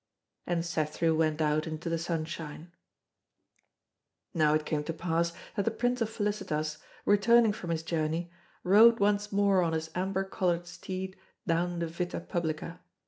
And Cethru went out into the sunshine .... Now it came to pass that the Prince of Felicitas, returning from his journey, rode once more on his amber coloured steed down the Vita Publica.